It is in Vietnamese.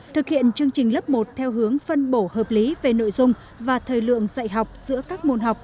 thực hiện chương trình lớp một theo hướng phân bổ hợp lý về nội dung và thời lượng dạy học giữa các môn học